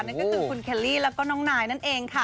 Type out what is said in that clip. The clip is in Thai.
นั่นก็คือคุณเคลลี่แล้วก็น้องนายนั่นเองค่ะ